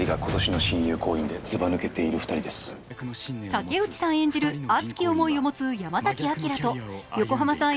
竹内さん演じる熱き思いを持つ山崎瑛と横浜さん